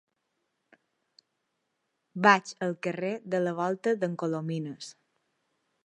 Vaig al carrer de la Volta d'en Colomines.